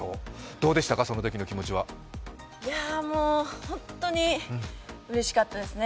どうでしたか、そのときの気持ちは本当にうれしかったですね。